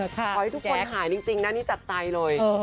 ขอให้ทุกคนหายจริงนะนี่จัดใจเลย